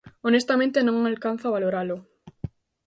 Honestamente, non alcanzo a valoralo.